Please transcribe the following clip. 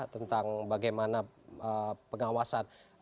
tentang bagaimana pengawasan